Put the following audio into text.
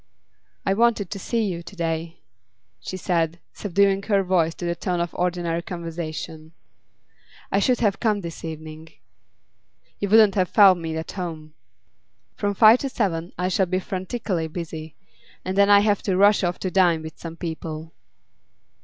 'I wanted to see you to day,' she said, subduing her voice to the tone of ordinary conversation. 'I should have come this evening.' 'You wouldn't have found me at home. From five to seven I shall be frantically busy, and then I have to rush off to dine with some people.